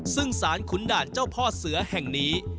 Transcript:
ซึ่งสารขุนด่านเจ้าพ่อเสือแห่งนี้